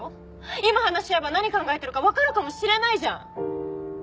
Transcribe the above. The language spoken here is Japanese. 今話し合えば何考えてるかわかるかもしれないじゃん！